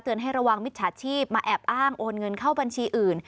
ให้ระวังมิจฉาชีพมาแอบอ้างโอนเงินเข้าบัญชีอื่น